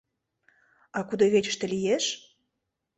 — А кудывечыште лиеш?